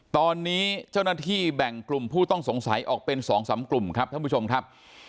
ตอนนี้เจ้าหน้าที่แบ่งกลุ่มผู้ต้องสงสัยออกเป็น๒๓กลุ่มครับท่านผู้ชมครับ